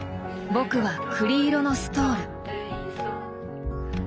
僕は栗色のストール。